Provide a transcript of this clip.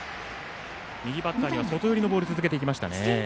右バッターには外寄りのボールを続けましたね。